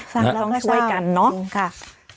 ฟังแล้วต้องช่วยกันเนาะจริงค่ะ